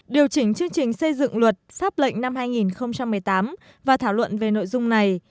điều chỉnh chương trình xây dựng luật pháp lệnh năm hai nghìn một mươi tám và thảo luận về nội dung này